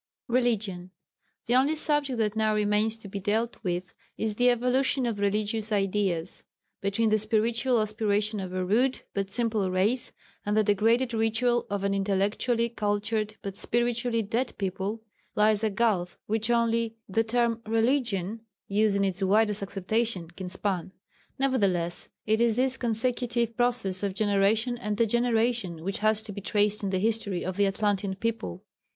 Religion. The only subject that now remains to be dealt with is the evolution of religious ideas. Between the spiritual aspiration of a rude but simple race and the degraded ritual of an intellectually cultured but spiritually dead people, lies a gulf which only the term religion, used in its widest acceptation, can span. Nevertheless it is this consecutive process of generation and degeneration which has to be traced in the history of the Atlantean people.